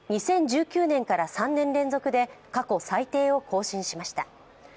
２０１９年から３年連続で過去最低を更新しました。